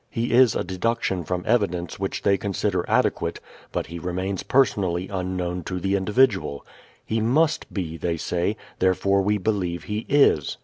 He is a deduction from evidence which they consider adequate; but He remains personally unknown to the individual. "He must be," they say, "therefore we believe He is."